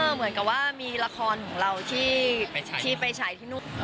เหมือนกับว่ามีละครของเราที่ไปฉายที่นู่น